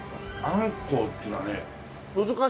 あんこうっていうのはね難しい。